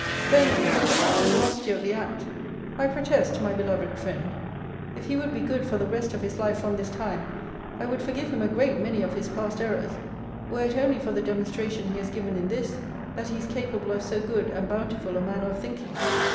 Then the real generosity of the act. I protest, my beloved friend, if he would be good for the rest of his life from this time, I would forgive him a great many of his past errors, were it only for the demonstration he has given in this, that he is capable of so good and bountiful a manner of thinking.